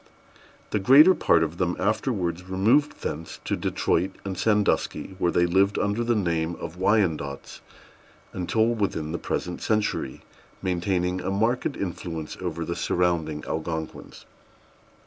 The greater part of them afterwards removed thence to Detroit and Sandusky, where they lived under the name of Wyandots until within the present century, maintaining a marked influence over the surrounding Algonquins.